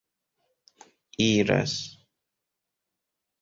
iras